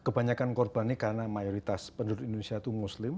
kebanyakan korban ini karena mayoritas penduduk indonesia itu muslim